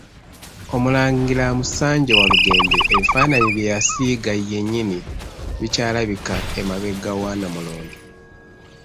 Omulangira Musanje Walugembe ebifaananyi bye yasiiga yennyini bikyalabika emabega wa Nnamulondo.